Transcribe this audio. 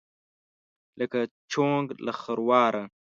لکه: چونګ له خرواره.